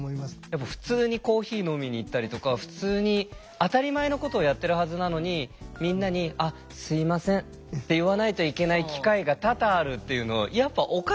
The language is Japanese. やっぱ普通にコーヒー飲みに行ったりとか普通に当たり前のことをやってるはずなのにみんなに「あっすいません」って言わないといけない機会が多々あるっていうのやっぱおかしいんだよね。